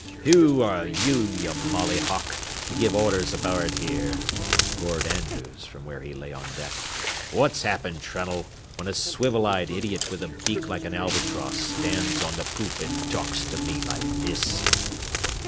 "Who are you, you molly hawk, to give orders aboard here?" roared Andrews, from where he lay on deck. "What's happened, Trunnell, when a swivel eyed idiot with a beak like an albatross stands on the poop and talks to me like this?"